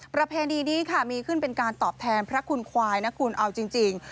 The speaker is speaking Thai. ประเพณีนี้ค่ะมีขึ้นเป็นการตอบแทนพระคุณควายนะคุณเอาจริง